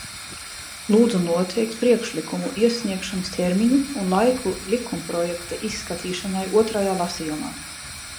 Lūdzu noteikt priekšlikumu iesniegšanas termiņu un laiku likumprojekta izskatīšanai otrajā lasījumā.